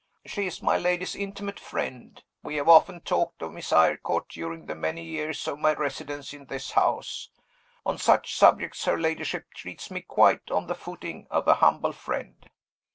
"She is my lady's intimate friend; we have often talked of Miss Eyrecourt during the many years of my residence in this house. On such subjects, her ladyship treats me quite on the footing of a humble friend.